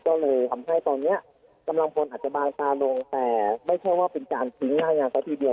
ต่อเลยทำให้ตอนนี้กำลังคนอาจมากกว่าลงแต่ไม่ใช่ว่าบางทั่วที่ข้างทิ้งหน้างานก็ทีเดียว